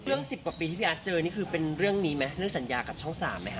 เรื่องสิบกว่าปีที่พี่อาร์ตเจอนี่คือเป็นเรื่องนี้มั้ยเรื่องสัญญากับช่องสามมั้ยครับ